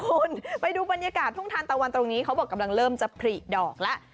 คุณไปดูบรรยากาศทุ่งทานตะวันตรงนี้เขาบอกกำลังเริ่มจะผลิดอกแล้ว